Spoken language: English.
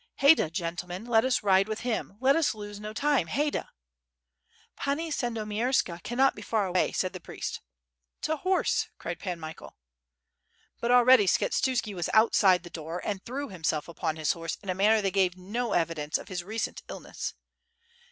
"Hayda, gentlemen, let us ride with him, let us lose no time, Hayda!" "Pani Sandomierska cannot be far away," said the priest. "To horse!" cried Pan Michael. But already Skshetuski was outside the door and threw himself upon his horse in a manner that gave no evidence of his recent illness.